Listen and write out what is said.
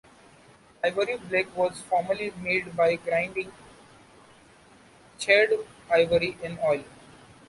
Ivory black was formerly made by grinding charred ivory in oil.